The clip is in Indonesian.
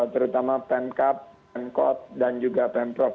terutama pemkap pemkot dan juga pemprov